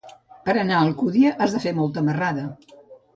Per anar a Alcúdia has de fer molta marrada.